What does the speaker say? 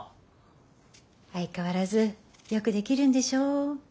相変わらずよくできるんでしょ？